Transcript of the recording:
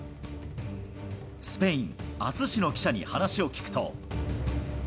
スペイン・アス紙の記者に話を聞くと。